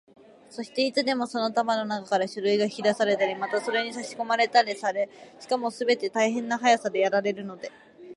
そして、いつでもその束のなかから書類が引き出されたり、またそれにさしこまれたりされ、しかもすべて大変な速さでやられるので、